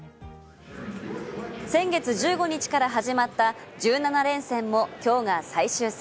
先月１５日から始まった１７連戦も今日が最終戦。